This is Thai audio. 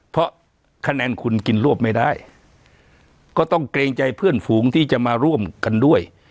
เพราะคะแนนคุณกินรวบไม่ได้ก็ต้องเกรงใจเพื่อนฝูงที่จะมาร่วมกันด้วย